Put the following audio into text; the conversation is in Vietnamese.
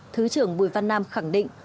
thứ trưởng bùi văn nam khẳng định